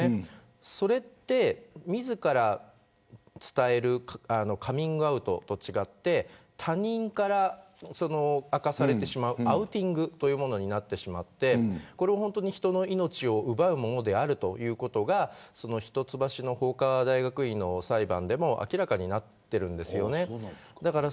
それは自ら伝えるカミングアウトと違って他人から明かされてしまうアウティングというものになってしまってこれは本当に人の命を奪うものであるということが一橋の法科大学院の裁判でも明らかになってるんです。